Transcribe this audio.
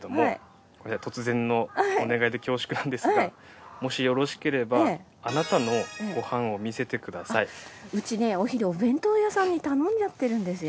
突然のお願いで恐縮なんですがもしよろしければうちねお昼お弁当屋さんに頼んじゃってるんですよ。